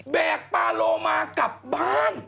แบกปลารม่ากลับบ้าน